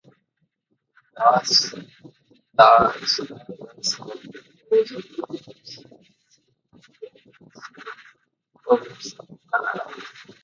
The status of closed shops varies from province to province within Canada.